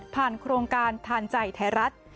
ผ่านโครงการทานจ่ายไทยรัฐ